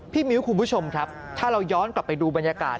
มิ้วคุณผู้ชมครับถ้าเราย้อนกลับไปดูบรรยากาศ